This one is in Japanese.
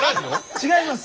違います。